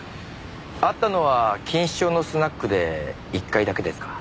会ったのは錦糸町のスナックで１回だけですか？